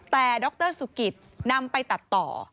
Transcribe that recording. แต่ดรสุกิตนำไปตัดต่อ